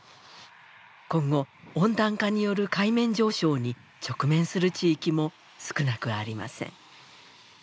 今後温暖化による海面上昇に直面する地域も少なくありません。